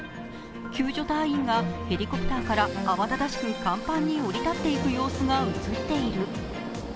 救助隊員がヘリコプターから慌ただしく甲板に降り立っていく様子が映っている。